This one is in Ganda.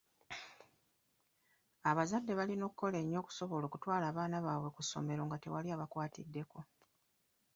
Abazadde balina okukola ennyo okusobola okutwala abaana baabwe ku ssomero nga tewali abakwatiddeko.